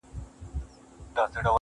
ځوان د سگريټو تشه کړې قطۍ وغورځول